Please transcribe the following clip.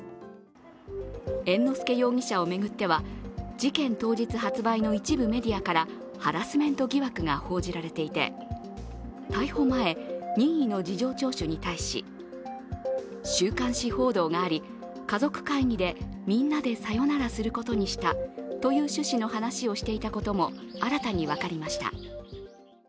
猿之助容疑者を巡っては、事件当日発売の一部メディアからハラスメント疑惑が報じられていて、逮捕前、任意の事情聴取に対し週刊誌報道があり、家族会議でみんなでさよならすることにしたという趣旨の話をしていたことも新たに分かりました。